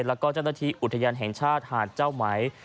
แล้วก็เจ้าหน้าที่อุทยานแห่งชาติหาดเจ้าไหม